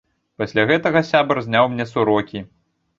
Пасля гэтага сябар зняў мне сурокі.